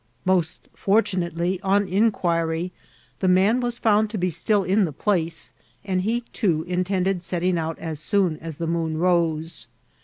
Moat fortunately, on inquiry, the man was found to be still in the place, and he, too, intended setting out as soon aa the moon rose.